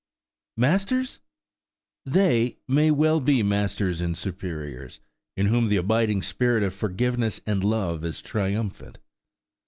Masters?–They may well be masters and superiors, in whom the abiding spirit of forgiveness and love is triumphant!